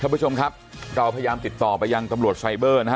ผู้ชมครับเราพยายามติดต่อไปยังตำรวจไซเบอร์นะฮะ